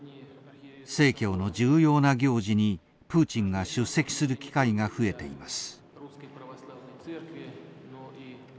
正教の重要な行事にプーチンが出席する機会が増えています。